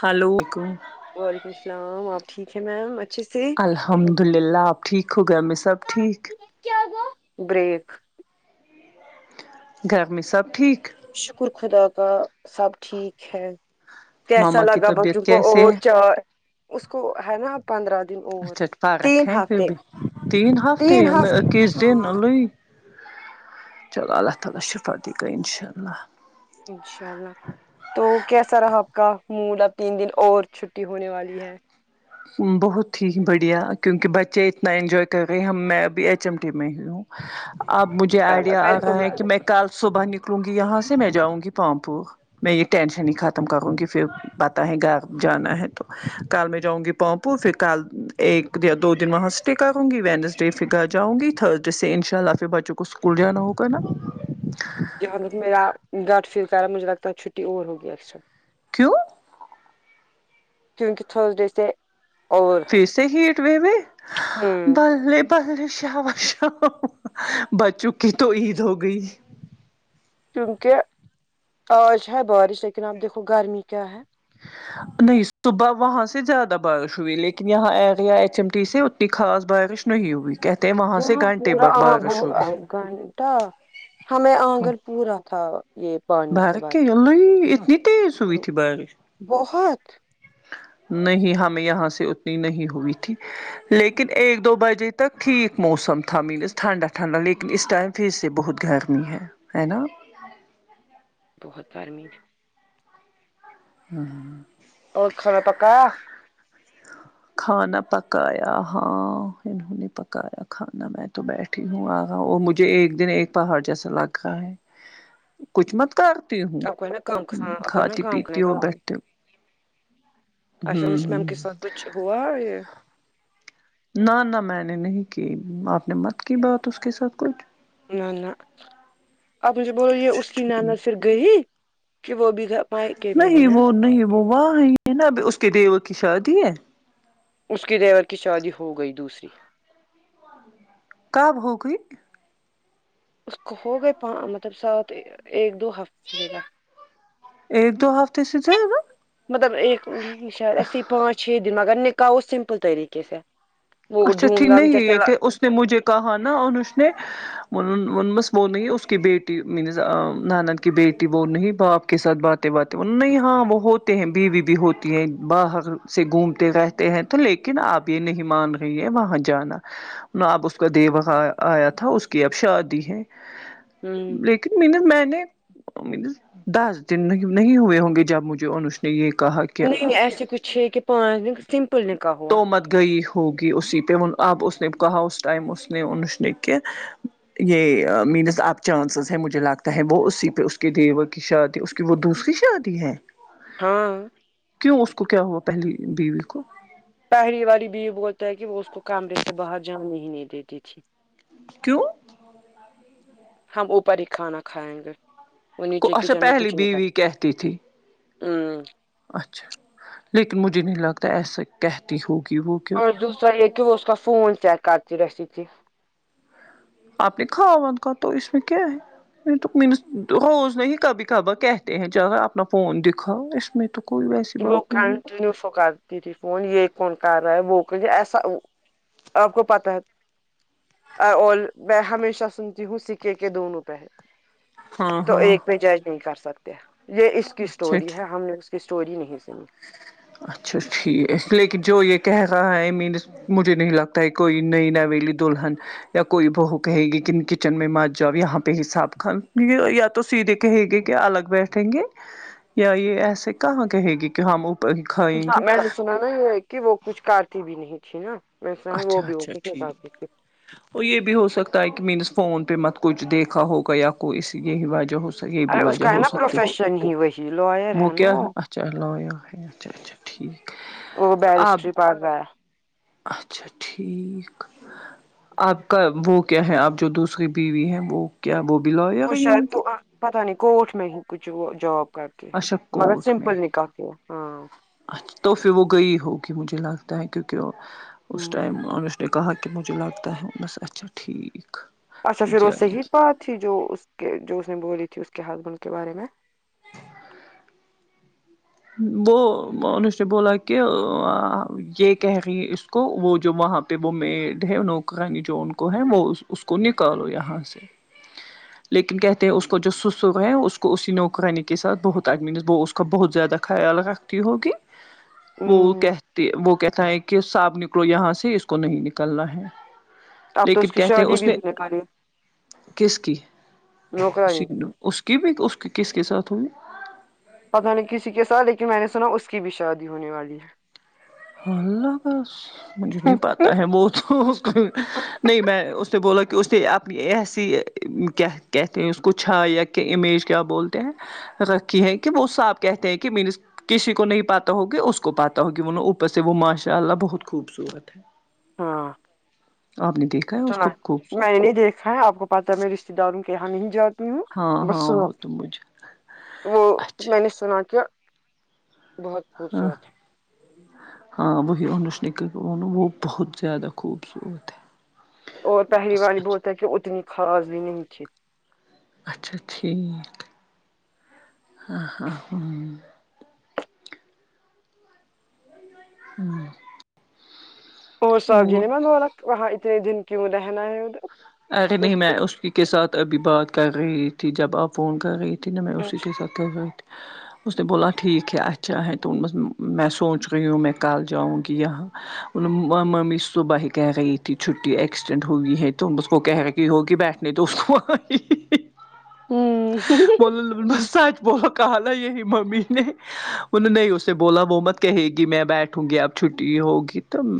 Haluk وعلیکم السلام آپ ٹھیک ہیں میم اچھے سے حمد للہ آپ ٹھیک ہو گھر میں سب ٹھیک بریک گھر میں سب ٹھیک شکر خدا کا سب ٹھیک ہے کیسا ماما کی لگا بچوں طبیعت کو کیسے اور ہے چار اس کو ہے نا پندرہ دن اور اچھا تین فارق ہے پھر ہفتے بھی تین ہف ہاں [unintelligible] چلو اللہ تعالی شفا دے گا انشاء اللہ انشاء اللہ تو کیسا رہا آپ کا موڈ اب تین دن اور چھٹی ہونے والی ہے بہت ہی بڑھیا کیونکہ بچے اتنا انجوائے کر رہے ہم میں ابھی ایچ ایم ٹی میں ہی ہوں اب مجھے آئیڈیا آ میرے تو رہا ہے کہ میں کل صبح نکلوں گی یہاں سے میں جاؤں گی پامپو میں یہ ٹینشن ہی ختم کروں گی پھر بتا ہے گا جانا ہے تو کار میں جاؤں گی پونپو پھر کل ایک یا دو دن وہاں اسٹے کروں گی وینسڈے پھر گھر جاؤں گی تھرزڈے سے ان شاء اللہ پھر بچوں کو اسکول جانا ہوگا نا جہاں تک میرا ڈرٹ فیل کر رہا ہے مجھے لگتا ہے چھٹی اور ہوگی اثر کیوں کیونکہ تھرسڈے سے اور پھر سے ہیٹ وے [unintelligible] ہوں و بے ششا [unintelligible] بچوں کی تو عید ہو گئی کیونکہ آج ہے بارش لیکن اپ دیکھو گرمی کیا ہے نہیں صبح وہاں سے زیادہ بارش ہوئی لیکن یہاں آ گیا ایچ ایم ٹی سے ا خاص بارش نہیں ہوئی کہتے ہیں وہاں سے یہاں گھنٹے پورا بغ آب بارش ہو ہوگا گئی گھنٹہ ہمیں آگل پورا تھا یہ پانی سے بارک بھر کے کیا لو اتنی تیز ہوئی تھی بارش بہت نہیں ہمیں یہاں سے اتنی نہیں ہوئی تھی لیکن ایک دو بجے تک ٹھیک موسم تھا مینز ٹھنڈا ٹنڈا لیکن اس ٹائم پھر سے بہت گرمی ہے ہے نا بہت گرمی ہاں اور کھانا پکا کھانا پکایا ہاں انہوں نے پکایا کھانا میں تو بیٹھ ہوں وہ مجھے ایک دن ایک پہاڑ جیسا لگ رہا ہے کچھ مت کرتی ہوں آپ کو ہے نا کام کھانا، آپ کو ہے نا کھاتی کام پیتی کرنے کا ہوں بیٹھتی اچھا انس میم ہوں کے ساتھ کچھ ہوا ہے نہ نہ میں نے نہیں کی آپ نے مت کی بات اس کے ساتھ کچھ نہ نہ اپ مجھے بولو یہ اچھا اس کی ناند پھر ٹھیک گئی کہ وہ بھی میکے میں نہیں ہی ہے وہ نہیں وہ وہاں ہے نا اب اس کے دیور کی شادی ہے اس کی دیور کی شادی ہو گئی دوسری کب ہوگئی اس کو ہو گئے مطلب سات ایک دو ہفتے [unintelligible] ایک دو ہفتے سےزائد نا مطلب ایک نہیں شاید ایسی پانچ چھ دن مگر نکاح سمپل طریقے کے سے وہ اچھا دھوم ٹھیک دھام نہیں جیسے یہ لا- کہ اس نے مجھے کہا نا انس نے وہ ننھی اس کی بیٹی منزا نانند کی بیٹی بولنا ہی باپ کے ساتھ بات باتیں نہیں ہاں وہ ہوتے ہیں بیوی بھی ہوتی ہیں باہر سے گھومتے رہ تے ہیں تو لیکن آپ یہ نہیں مان رہی ہیں وہاں جانا آب اس کا دیور آیا تھا اس کی اب شادی ہے ہوں مین میں نے دس دن نہیں ہوئے ہوں گے جب مجھے ان نے یہ کہا کہ نہیں ایسے کچھ ہے کہ پانچ دن سمپل نکاح ہوا تو مت گئی ہوگی اسی پہ وہ آب اس نے کہا اس ٹائم اس نے اش نے کہ یہ مینس آب چانسز ہیں مجھے لگتا ہے وہ اسی پہ اس کے دیور کی شادی اس کہ وہ دوسری شادی ہے ہاں کیوں اس کو کیا ہوا پہلی بیوی کو پہلی والی بیوی بولتا ہے کہ وہ اس کو کمرے سے باہر جانے ہی نہیں دیتی تھی کیوں ہم اوپر ہی کھانا کھائیں گے وہ نیچے اچھا کچن پہلی بیوی کہتی تھی ہوں اچھا لیکن مجھے نہیں لگتا ایسا کہتی ہوگی وہ کہ اور دوسرا یہ کہ وہ اس کا فون چیک کرتی رہتی تھی آپ کے کھاوان کا تو اس میں کیا ہے روز نہیں کبھی کبار کہتے ہیں جدا اپنا فون دکھاؤ اس میں تو کوئی ویسی کے وہ بات نہیں کنٹنییو فکال فون یہ کون کر رہا ہے وہ کل ایسا آپ کو پتہ ہے اور میں ہمیشہ سنتی ہوں سکے کے دونوں پہر ہاں تو ہاں ایک پہ جج نہیں کر سکتے یہ اس کی اچھا اسٹوری ٹھیک ہے ہم نے کی اسٹوری نہیں سنی اچھا ٹھیک لیکن جو یہ کہہ رہا ہے مینس مجھے نہیں لگتا ہے کوئی نئی نویلی دلہن یا کوئی بہو کہے گی کہ کچن میں مت جاؤ یہاں پہ حساب خہ یہ یا تو سیدھے کہے گے کہ الگ بیٹھیں گے یا یہ ایسے کہاں کہے گی کہ ہم ا میں نے سنا نا یہ ہے کہ وہ کچھ کرتی بھی نہیں تھی نا میں سنا ہے وہ اچھا بھی اچھا ٹھیک ہوگتاتی سے اور یہ بھی ہو سکتا ہے کہ مینس فون پہ مت کچھ دیکھا ہوگا یا کوئی سی یہی وجہ ہو یہ بھی ارے اس وجہ کا ہے ہو نا سکتی پروفیشن ہی وہی لوئر وہ ہے نا کیا اچھا لیا ہے اچھا اچھا ٹھیک وہ اب بیرسٹری پڑھ رہا ہے اچھا ٹھیک آپ کا وہ کیا ہے آپ جو دوسری بیوی ہیں وہ کیا وہ بھی لاے وہ شاید کو نہ پتہ نہیں کوٹ میں ہی کچھ وہ جاب کر تی ہے اشک مگر کوٹ میں سمپل نکاح کیا ہاں اچھا تو پھر وہ گئی ہوگی مجھے لگتا ہے کیونکہ اس ہ ٹائم آنس نے کہا کے مجھ لگتا ہے بس اچھا ٹھیک اچھا پھر وہ جائے گی صحیح بات تھی جو اس کے جو اس نے بولی تھی اس کے ہسبنڈ کے بارے میں وہ و ان سے بولا اں ا یہ کہہ گی اس کو وہ جو وہاں پہ وہ میڈ ہے نوکرانی جو ان کو ہے وہ اس کو نکالو یہاں سے لیکن کہتے ہیں اس کو جو سسر ہے اس کو اسی نوکرانی کے ساتھ بہت ایڈمینس وہ اس کا بہت زیادہ خیال رکھتی ہوگی وہ ہ کہتے وہ کہتا ہے کہ سب نکلو یہاں سے اس کو نہیں نکلنا ہے اب تو لیکن کی کہتے شادی اس بھی نے ہونے والی ہے کس کی نوکرانی کی اس کی بھی اس کس کے ساتھ ہو پتہ نہیں کسی کے ساتھ لیکن میں نے سنا اس کی بھی شادی ہونے والی ہے اللہ بس مجھے نہیں پاتا ہے وہ تو نہیں میں اس نے بولا کہ اس نے اپنی ایسی کیا ہے کہتے ہیں اس کو چھایا کہ امیج کیا بولتے ہیں رکھی ہے کہ وہ صاحپ کہتے ہیں کہ مینس کسی کو نہیں پاتا ہوگی اس کو پاتا ہوگی انوں اوپ پر سے وہ ماشاء اللہ بہت خوبصورت ہے ہاں آپ نے دیکھا ہے اس سنا کو خوب کو میں نہیں دیکھ ا ہے ہاں آپ کو پتا ہے میں رشتہ داروں کے یہاں نہیں جات تی ام ہاں بس ہاں سنا وہ تو مجھے وہ میں اچھا نے سنا کیا بہت خوبصورت ہے ہاں وہی انس نے کہا وہ نہ بہت زیادہ خوبصورت ہے اور پہلی بس بار اچھا بولتا ہے کہ اتنی خاص بھی نہیں تھی اچھا ٹھیک ہاں ہاں ہاں ہوں وہ صاحب جی نے م بولا وہاں اتنے دن کیوں رہنا ہے ادھر ارے اس نہیں کو میں اسی کے ساتھ ابھی بات کر رہی تھی جب آپ فون کر رہی تی نہ میں ہوں اسی کے ساتھ تب اس نے بولا ٹھیک ہے اچھا ہے تو بس میں سوچ رہی ہوں میں کل جاؤں گی یہاں ما ممی صبح ہی کہے رہی تھیچھٹی اکسٹنڈ ہوگئی ہے تم اس کو کہہ رہی ہوں گی بیٹھنے تو اس کو وہی بولا ل سج بول کہا نا یہی ممی نے بولا نہیں اس نے بولا وہ مت کہے گی میں بیٹھوں گی اب چھٹی ہوگی تم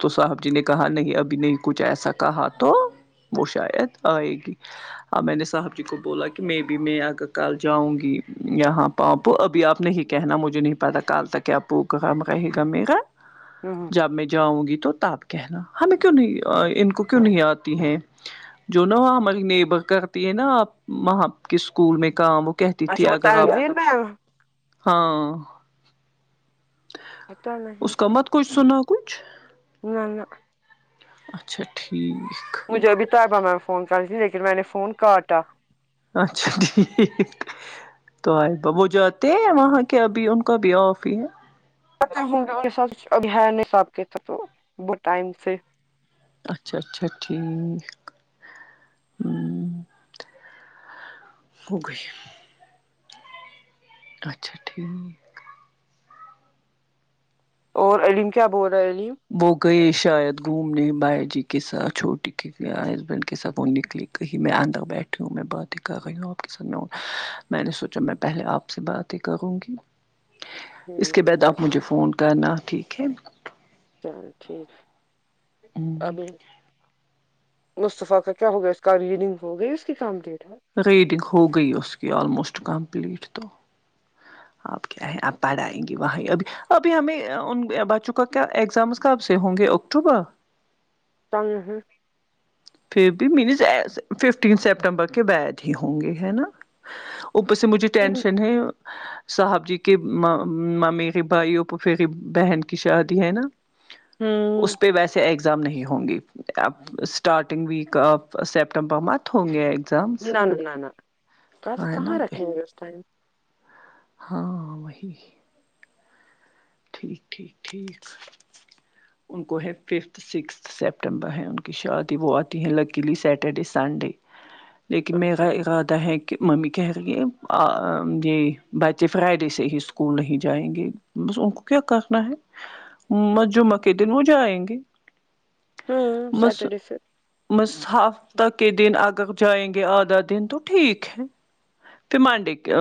تو صاحب جی نے کہا نہیں ابھی نہیں کچھ ایسا کہا تو وہ شاید آئے گی ا میں نے صاحب جی کو بولا کہ میں بھی میں آگر کال جاؤں گی یہاں پاپو ابھی آپ نہیں کہنا مجھے نہیں پتہ کل تک کیا پروگرام رہے گا میرا جب میں جاؤں گی تو تب کہنا ہمیں کیوں نہیں آئیے ان کو کیوں نہیں آتی ہیں جو نا وہ ہماری نیبر کرتی ہے نا اب وہاں کے اسکول میں کام کہتی اچھا تھی وہ اگر آپ تنزیل میں ہاں پتا نہیں اس کا مت کچھ سنا کچھ نہ نہ اچھا ٹھیک مجھے ابھی طیبہ میم میں فون کر رہی تھی لیکن میں نے فون کاٹا اچھا ٹھیک طیبہ وہ جاتے ہیں وہاں کے ابھی ان کا بھی آف ہی ہے [unintelligible] ابھی نہیں ہے آپ کے ساتھ تو بہت ٹائم سے اچھا اچھا ٹھیک ہوں ہو گئی اچھا ٹھیک اور علیم کیا بول رہا ہے علیم وہ گئے شاید گھومنے بھیا جی کے ساتھ چھوٹی کے ہسبینڈ کے ساتھ وہ نکلی کہیں میں اندر بیٹھی ہوں میں باتیں کر رہی ہوں آپ کے ساتھ میں میں نے سوچا میں پہلے آپ سے بات کہوں گی نہ ہ اس کے بعد اچھا آپ مجھے فون کرنا ٹھیک ہے چل ٹھیک ابھی مصطفے کا کیا ہو گیا اس کا ریڈنگ ہو گئی اس کی کامپلیٹ ہے ریڈنگ ہو گئی اس کی آلموسٹ کمپلیٹ تو آپ کیا ہے آپ پڑھائیں گے بھائی ابھی ابھی ہمیں ان بچوں کا کیا ایگزام کب سے ہوں گے اکتوبر پتہ نہیں پھر بھی مینس ا ففٹین سپٹمبر کے بعد ہی ہوں گے ہے نا اوپر سے مجھے ٹینشن ہے صاحب جی کے م مامرے بھائی اور پوپھیرے بہن کی شادی ہے نا اس پہ ویسے ایگزام نہیں ہوں گی اب س اسٹارٹنگ ویک آف سپٹمبر منت ہوگیا ایگزامس نہ نہ ہے نہ ابھی نیکسٹ ٹائم ہاں وہی ٹھیک ٹھیک ٹھیک ان کو ہے ففتھ سکستھ سپٹمبر ہیں ان کی شادی وہ آتی ہیں لکیلی سیٹرڈے سنڈے لیکن اچھا میرا ارادہ ہے کہ ممی کہہ رہی ہے ا یہ بچے فرائیڈے سے ہی اسکول نہیں جائیں گے بس ان کو کیا کرنا ہے م جمعہ کے دن وہ جائیں گے ہوں بس سیٹرڈے سے بس ہفتہ کے دن اگر جائیں گے آدھا دن تو ٹھیک ہے پھر منڈے کے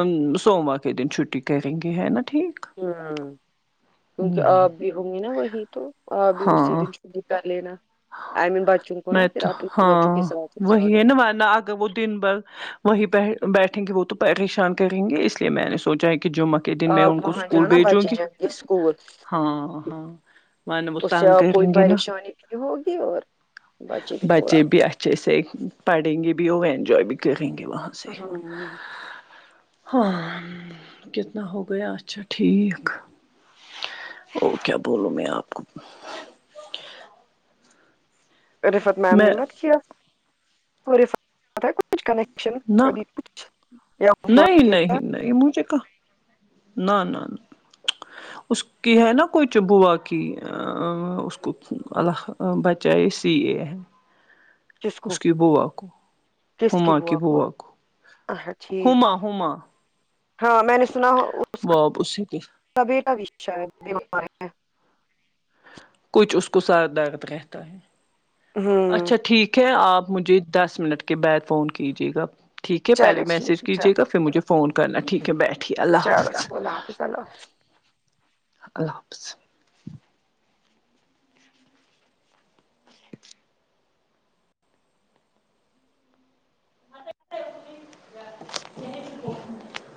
سوموا کے دن چھٹی کریں گے ہے نا ٹھیک ہوں کیونکہ آپ بھی ہوں گی نا وہی تو آپ بھی اسی ہاں دن چھٹی کر لینا آئی مین بچوں کو نا میں پھر تو آپ ہاں بچوں کے ساتھ وہی جانا ہے نا ورنہ اگر وہ دن بھر وہی ب بیٹھیں گے وہ تو پریشان کریں گے اس لیے میں نے سوچا ہے کہ جمعہ کے دن میں آپ ان کو وہاں اسکول جانا بھیجوں بچے گی جائیں گے اسکول ہاں ہاں ورنہ وہ تنگ کرینگے نہ ارے ہوگی اور بچے بھی اچھے سے پڑھیںگے بھی اور اینجوائے بھی کریں گے وہاں سے کہاں نہی ہاں کتنا ہو گیا اچھا ٹھیک اور کیا بولوں میں آپ کو رفت میم نے میں مت کیا [unintelligible] پتہ ہے کچھ کنیکشن نہ ابھی کچھ نہیں [unintelligible] نہیں نہیں مجھے کہاں نہ نہ نہ اس کی ہے نا کچھ بوا کی اں اس کو اللہ بچائے سی اے ہے کس اس کو کی بوا کو ہما کی بوا کو اچھا ٹھیک ہما ہما ہاں میں نے سنا وہ اب اسی کے [unintelligible] کبھی کا کچھ اس کو سر درد رہتا ہے ہوں اچھا ٹھیک خیر آپ مجھے دس منٹ کے بعد فون کیجیے گا ٹھیک ہے پہلے چلے ٹھیک میسج ہے کیجے گا پھر مجھے فون کرنا ٹھیک ہے بیٹھیے اللہ چلو حافظ چلو اللہ حافظ اللہ حافظ اللہ حافظ [inaudible]